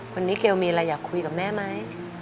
วันนี้เกลมีอะไรอยากคุยกับแม่ไหม